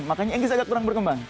makanya inggris agak kurang berkembang